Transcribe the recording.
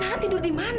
nara tidur di mana